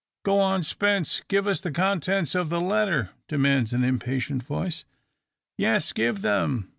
"Go on, Spence! Give us the contents of the letter!" demands an impatient voice. "Yes, give them!"